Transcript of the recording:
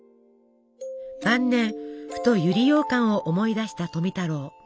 晩年ふと百合ようかんを思い出した富太郎。